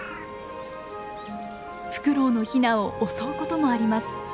フクロウのヒナを襲うこともあります。